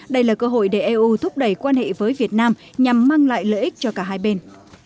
đây là cơ hội để eu thúc đẩy quan hệ với việt nam nhằm mang lại lợi ích cho cả hai bên